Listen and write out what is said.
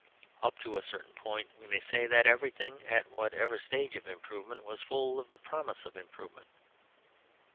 Up to a certain point we may say that everything, at whatever stage of improvement, was full of the promise of improvement.